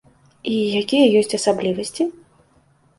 І якія ёсць асаблівасці?